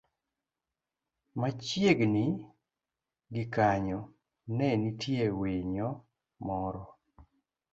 Machiegni gi kanyo, ne nitie winyo moro